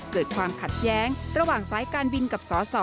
เกิดความขัดแย้งระหว่างสายการบินกับสส